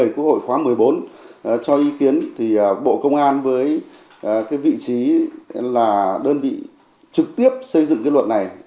quốc hội khóa một mươi bốn cho ý kiến thì bộ công an với vị trí là đơn vị trực tiếp xây dựng cái luật này